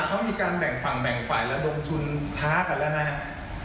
เขามีการแบ่งฝั่งแบ่งฝ่ายแล้วลงทุนท้ากันแล้วนะครับ